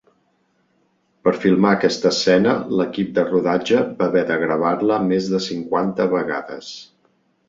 Per filmar aquesta escena l'equip de rodatge va haver de gravar-la més de cinquanta vegades.